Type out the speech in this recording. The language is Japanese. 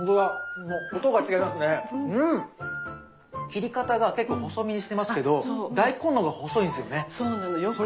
切り方が結構細身にしてますけど大根の方が細いんですよね。